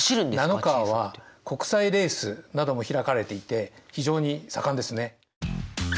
ナノカーは国際レースなども開かれていて非常に盛んですね。